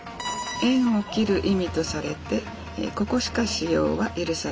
縁を切る意味とされてここしか使用は許されておりません。